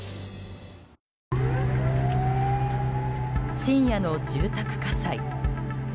深夜の住宅火災。